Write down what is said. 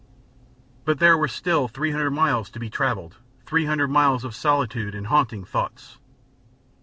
But there were still three hundred miles to be traveled, three hundred miles of solitude and haunting thoughts.